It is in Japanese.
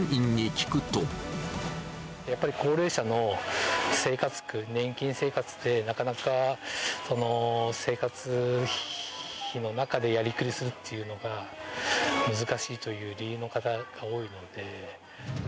やっぱり高齢者の生活苦、年金生活で、なかなか、生活費の中でやりくりするっていうのが、難しいという理由の方が多いので。